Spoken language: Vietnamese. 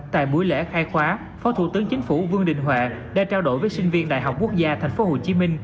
tại buổi lễ khai khóa phó thủ tướng chính phủ vương đình huệ đã trao đổi với sinh viên đại học quốc gia tp hcm